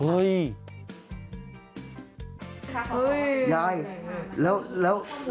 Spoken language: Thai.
ขอบคุณครับค่ะคุณยายยาย